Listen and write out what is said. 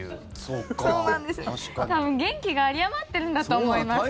多分、元気があり余ってるんだと思います。